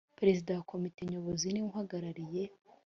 perezida wa komite nyobozi ni we uhagarariye